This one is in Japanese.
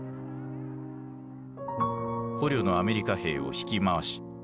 捕虜のアメリカ兵を引き回し